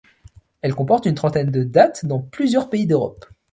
Elle comporte une trentaine de dates dans plusieurs pays d'Europe.